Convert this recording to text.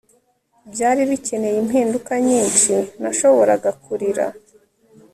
Byari bikeneye impinduka nyinshi nashoboraga kurira